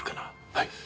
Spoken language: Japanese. はい。